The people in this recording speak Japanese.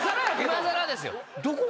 いまさらですよ。